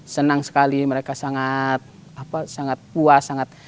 senang sekali mereka sangat puas sangat